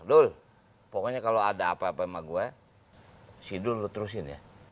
dul pokoknya kalau ada apa apa sama gue sidul lu terusin ya